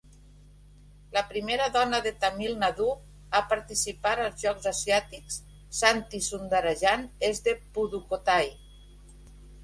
La primera dona de Tamil Nadu a participar als Jocs Asiàtics, Santhi Soundarajan, és de Pudukkottai.